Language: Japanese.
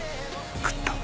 食ったわ。